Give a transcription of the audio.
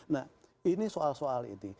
nah ini soal soal ini